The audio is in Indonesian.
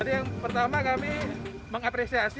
yang pertama kami mengapresiasi